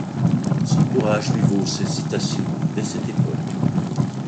Son courage lui vaut ses citations dès cette époque.